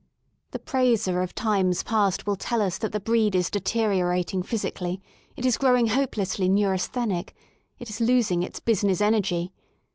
The praiser of Times Past will tell us that the breed is deteriorating physically: it is growing hopelessly neurasthenic; it IS losing its business energy.